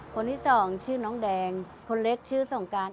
ค่ะน้องนิสังค์ชื่อะน้องแดงคนเล็กชื่อสนุการ